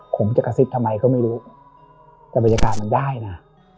ผมจะกระซิบทำไมก็ไม่รู้แต่บรรยากาศมันได้นะ